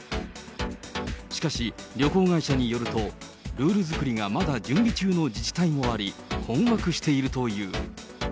しかし、旅行会社によると、ルール作りがまだ準備中の自治体もあり、困惑しているという。